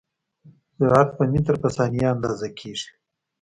سرعت په متر په ثانیه اندازه کېږي.